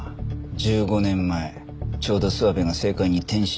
１５年前ちょうど諏訪部が政界に転身したタイミングだ。